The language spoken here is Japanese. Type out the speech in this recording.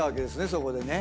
そこでね。